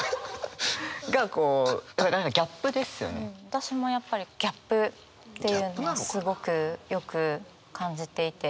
私もやっぱりギャップっていうのはすごくよく感じていて。